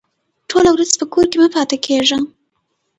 ټوله ورځ په کور کې مه پاته کېږه!